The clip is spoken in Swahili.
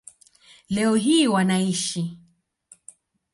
Leo hii wanaishi